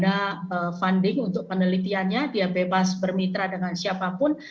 ada funding untuk penelitiannya dia bebas bermitra dengan siapapun